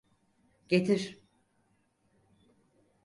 Getir!